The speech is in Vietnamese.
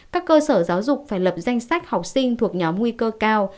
các cơ sở giáo dục phải lập danh sách học sinh thuộc nhóm nguy cơ cao